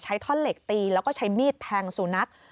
ท่อนเหล็กตีแล้วก็ใช้มีดแทงสุนัข